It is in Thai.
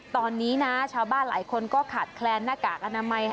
ตอนนี้นะชาวบ้านหลายคนก็ขาดแคลนหน้ากากอนามัย